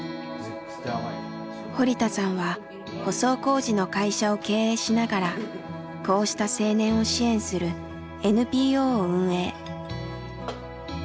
堀田さんは舗装工事の会社を経営しながらこうした青年を支援するＮＰＯを運営。